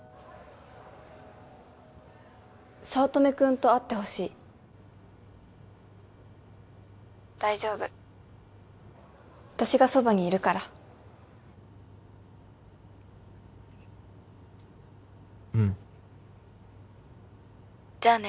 早乙女君と会ってほしい☎大丈夫私がそばにいるからうん☎じゃあね